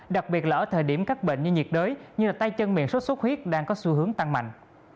đặc biệt là ở thời điểm các bệnh như nhiệt đới như tay chân miệng sốt xuất huyết đang có xu hướng tăng mạnh